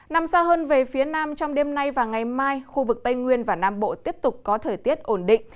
nằm xa hơn về phía nam trong đêm nay và ngày mai khu vực tây nguyên và nam bộ tiếp tục có thời tiết ổn định